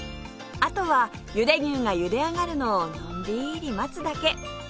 あとはゆで牛がゆで上がるのをのんびり待つだけ！